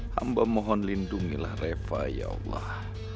hamba mohon lindungilah refa ya allah